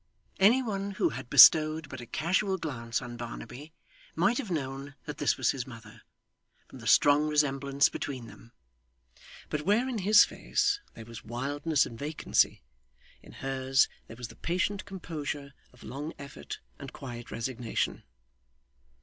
Any one who had bestowed but a casual glance on Barnaby might have known that this was his mother, from the strong resemblance between them; but where in his face there was wildness and vacancy, in hers there was the patient composure of long effort and quiet resignation.